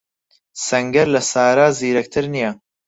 سەنگەر لە سارا زیرەکتر نییە.